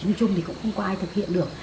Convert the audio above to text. nói chung thì cũng không có ai thực hiện được